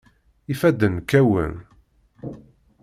Ifadden kkawen.